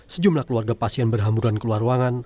sejumlah keluarga pasien berhamburan keluar ruangan